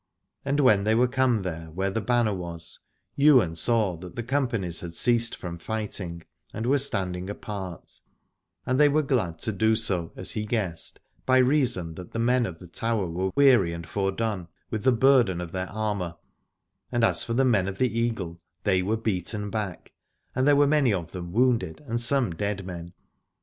And when they were come there where the banner was, Ywain saw that the companies had ceased from fighting and were standing 73 Aladore apart : and they were glad to do so, as he guessed, by reason that the men of the Tower were weary and fordone with the burden of their armour, and as for the men of the Eagle they were beaten back, and there were many of them wounded and some dead men.